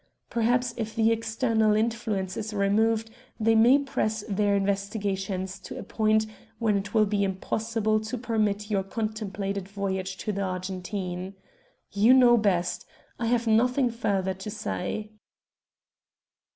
Perhaps if the external influence is removed they may press their investigations to a point when it will be impossible to permit your contemplated voyage to the Argentine. You know best. I have nothing further to say."